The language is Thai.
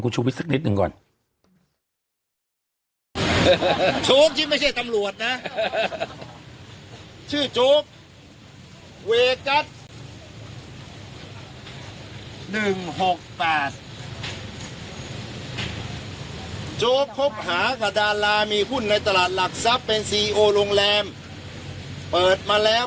โจ๊กคบหากระดานลามีหุ้นในตลาดหลักทรัพย์เป็นซีโอโรงแรมเปิดมาแล้ว